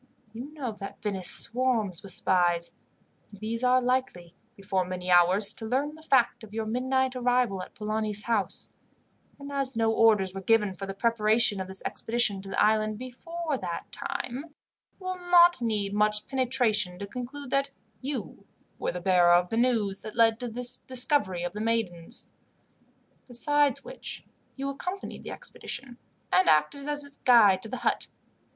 You know that Venice swarms with spies, and these are likely, before many hours, to learn the fact of your midnight arrival at Polani's house; and as no orders were given for the preparation of this expedition to the island before that time, it will not need much penetration to conclude that you were the bearer of the news that led to the discovery of the maidens. Besides which, you accompanied the expedition, and acted as its guide to the hut.